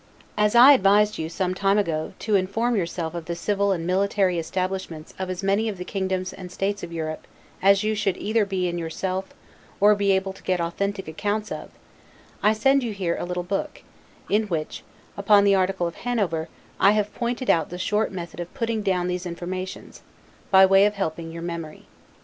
As I advised you, some time ago, to inform yourself of the civil and military establishments of as many of the kingdoms and states of Europe, as you should either be in yourself, or be able to get authentic accounts of, I send you here a little book, in which, upon the article of Hanover, I have pointed out the short method of putting down these informations, by way of helping your memory.